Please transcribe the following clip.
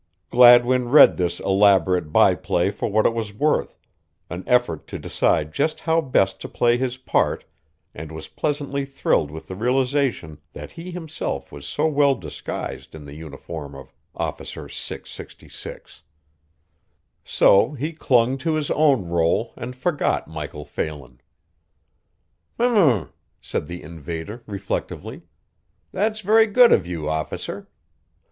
Gladwin read this elaborate by play for what it was worth an effort to decide just how best to play his part and was pleasantly thrilled with the realization that he himself was so well disguised in the uniform of Officer 666. So he clung to his own rôle and forgot Michael Phelan. "H'm," said the invader, reflectively. "That's very good of you, Officer.